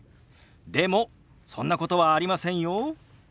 でもそんなことはありませんよ。